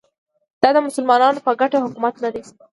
دا د مسلمانانو په ګټه حکومت نه دی